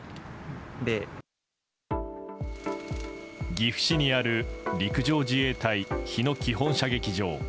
岐阜市にある陸上自衛隊日野基本射撃場。